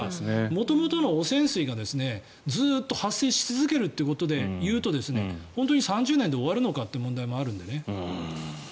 元々の汚染水がずっと発生し続けるということでいうと本当に３０年で終わるのかという問題もあるのでね。